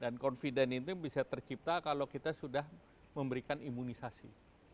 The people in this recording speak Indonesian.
dan confident itu bisa tercipta kalau kita sudah memberikan imunisasi